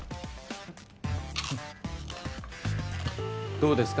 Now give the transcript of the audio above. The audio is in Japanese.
どうですか？